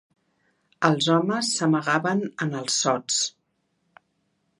Els homes s'amagaven en els sots